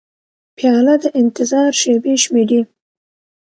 پیاله د انتظار شېبې شمېري.